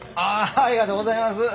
ありがとうございます。